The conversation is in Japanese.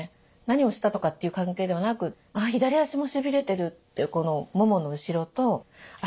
何をしたとかっていう関係ではなくあ左足もしびれてるっていう